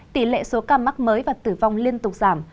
tỷ lệ số ca mắc mới và tử vong liên tục giảm